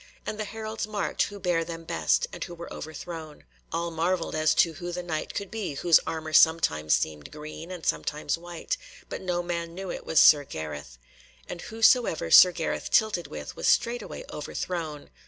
And the heralds marked who bare them best, and who were overthrown. All marvelled as to who the Knight could be whose armour sometimes seemed green, and sometimes white, but no man knew it was Sir Gareth. And whosoever Sir Gareth tilted with was straightway overthrown.